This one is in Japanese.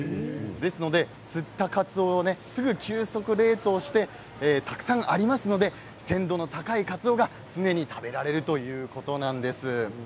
ですので釣ったカツオをすぐに急速冷凍してたくさんありますので鮮度の高いカツオが常に食べられるというわけなんです。